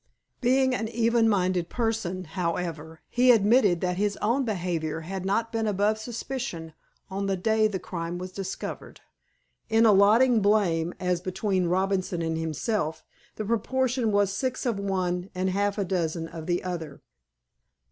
Being an even minded person, however, he admitted that his own behavior had not been above suspicion on the day the crime was discovered. In allotting blame, as between Robinson and himself, the proportion was six of one and half a dozen of the other.